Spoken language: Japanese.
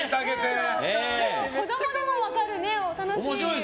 子供でも分かる、楽しい。